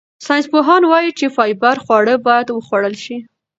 ساینسپوهان وايي چې فایبر خواړه باید وخوړل شي.